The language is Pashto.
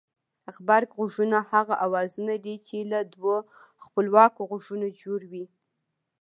غبرگ غږونه هغه اوازونه دي چې له دوو خپلواکو غږونو جوړ وي